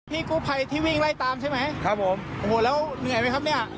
พี่กู้ภัยที่วิ่งไล่ตามใช่ไหมครับผมโอ้โหแล้วเหนื่อยไหมครับเนี่ย